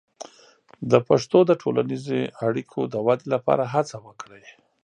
د پښتو د ټولنیزې اړیکو د ودې لپاره هڅه وکړئ.